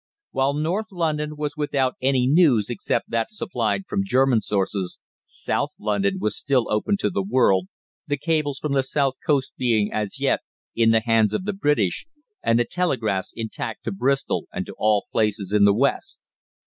While northern London was without any news except that supplied from German sources, South London was still open to the world, the cables from the south coast being, as yet, in the hands of the British, and the telegraphs intact to Bristol and to all places in the West.